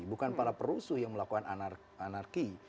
bukan para perusuh yang melakukan anarki